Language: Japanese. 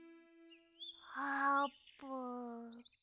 あーぷん。